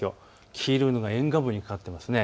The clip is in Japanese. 黄色いのが沿岸部にかかっています。